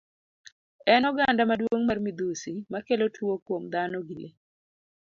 En oganda maduong' mar midhusi makelo tuo kuom dhano gi lee.